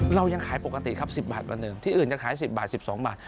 เรายังขายปกติครับ๑๐บาทกว่าเดิมที่อื่นจะขาย๑๐บาท๑๒บาท